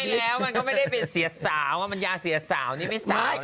แล้วมันก็ไม่ได้เป็นเสียสาวมันยาเสียสาวนี่ไม่ใช่